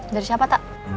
dari siapa tak